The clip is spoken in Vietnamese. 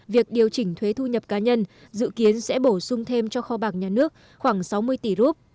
việc điều chỉnh thuế thu nhập cá nhân dự kiến sẽ bổ sung thêm cho kho bạc nhà nước khoảng sáu mươi tỷ rup